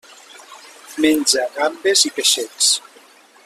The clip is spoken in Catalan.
Menja gambes i peixets.